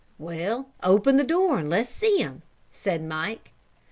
"Well, open the door and let's see him," said Mike.